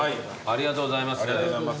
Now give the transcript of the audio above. ありがとうございます。